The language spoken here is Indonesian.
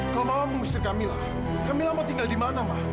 kalau mama nungshir kamila kamila mau tinggal di mana ma